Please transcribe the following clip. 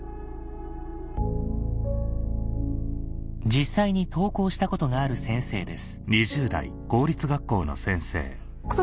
実際に投稿したことがある先生です